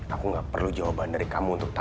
aku gak perlu jawaban dari kamu untuk tahu